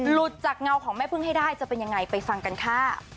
หลุดจากเงาของแม่พึ่งให้ได้จะเป็นยังไงไปฟังกันค่ะ